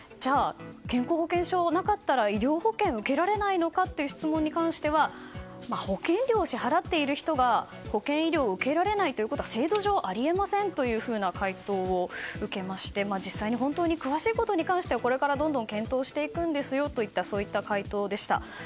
健康保険証がなかったら医療保険を受けられないのかという質問に関しては保険料を支払っている人が保健医療を受けられないということは制度上、あり得ませんという回答を受けまして実際に本当に詳しいことはこれからどんどん検討していくんですといった回答でした。